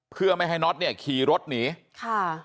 เพื่อไม่ให้น็อตเนี่ยขี่รถหนีค่ะ